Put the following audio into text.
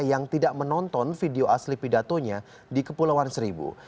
yang tidak menonton video asli pidatonya di kepulauan seribu